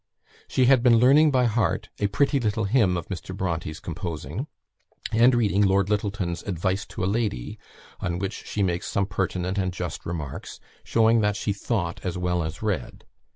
She had been learning by heart a "pretty little hymn" of Mr. Bronte's composing; and reading Lord Lyttelton's "Advice to a Lady," on which she makes some pertinent and just remarks, showing that she thought as well as read.